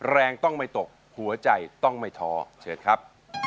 แรงต้องไม่ตกหัวใจต้องไม่ท้อเชิญครับ